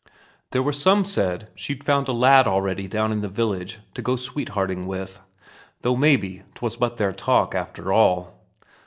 There were some said she'd found a lad already down in the village to go sweethearting with, though maybe 'twas but their talk, after all.